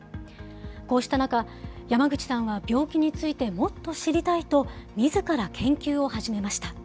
こうした中、山口さんは病気についてもっと知りたいと、みずから研究を始めました。